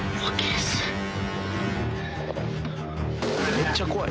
めっちゃ怖い。